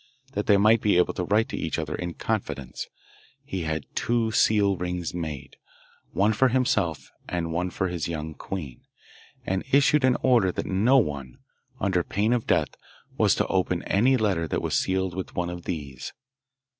That they might be able to write to each other in confidence, he had two seal rings made, one for himself and one for his young queen, and issued an order that no one, under pain of death, was to open any letter that was sealed with one of these.